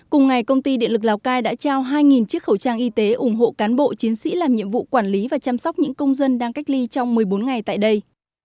cùng ngày công ty điện lực lào cai đã trao hai chiếc khẩu trang y tế ủng hộ cán bộ chiến sĩ làm nhiệm vụ quản lý và chăm sóc những công dân đang cách ly trong một mươi bốn ngày tại đây